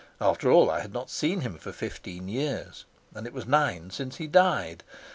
After all, I had not seen him for fifteen years, and it was nine since he died.